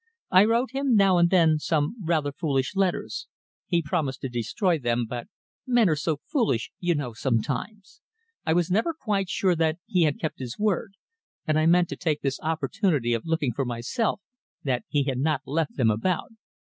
I wrote him now and then some rather foolish letters. He promised to destroy them, but men are so foolish, you know, sometimes I was never quite sure that he had kept his word, and I meant to take this opportunity of looking for myself that he had not left them about.